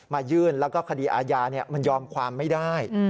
ยื่นแล้วก็คดีอาญามันยอมความไม่ได้